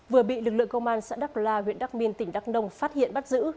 vừa bị lực lượng công an xã đắc la huyện đắc minh tỉnh đắc nông phát hiện bắt giữ